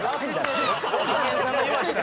ホリケンさんが言わせた。